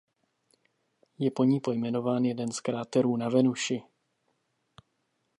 Je po ní pojmenován jeden z kráterů na Venuši.